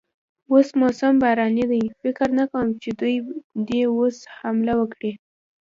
اوس موسم باراني دی، فکر نه کوم چې دوی دې اوس حمله وکړي.